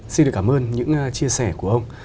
xin được cảm ơn những chia sẻ của ông